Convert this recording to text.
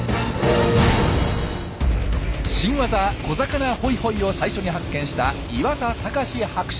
新ワザ「小魚ホイホイ」を最初に発見した岩田高志博士。